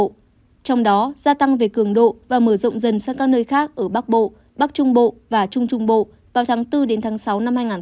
trong đó gia tăng về cường độ và mở rộng dần sang các nơi khác ở bắc bộ bắc trung bộ và trung trung bộ vào tháng bốn đến tháng sáu